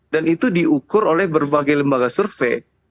dan itu diukur oleh berbagai lembaga survei